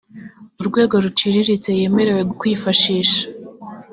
mu rwego ruciriritse yemerewe kwifashisha